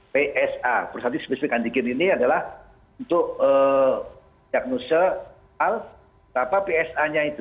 psa prostatik spesifik antigen ini adalah untuk diagnosal psa nya itu